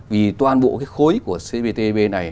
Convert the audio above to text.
vì toàn bộ cái khối của cptpp này